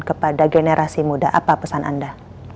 kepada generasi muda apa pesan anda